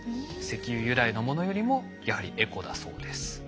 石油由来のものよりもやはりエコだそうです。